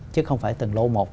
chứ không phải từng lô một